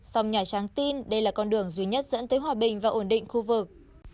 song nhà trắng tin đây là con đường duy nhất dẫn tới hòa bình và ổn định khu vực